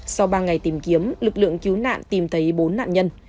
sau ba ngày tìm kiếm lực lượng cứu nạn tìm thấy bốn nạn nhân